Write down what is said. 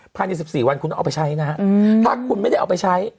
ผ่าน๒๔วันคุณเอาไปใช้นะถ้าคุณไม่ได้เอาไปใช้